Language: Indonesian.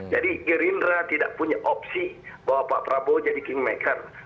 jadi gerindra tidak punya opsi bahwa pak prabowo jadi kingmaker